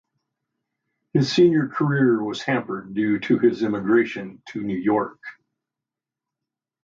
His senior career was hampered due to his emigration to New York.